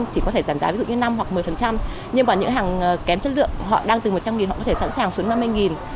chỉ có thể giảm giá năm hoặc một mươi nhưng những hàng kém chất lượng họ đang từ một trăm linh nghìn họ có thể sẵn sàng xuống năm mươi nghìn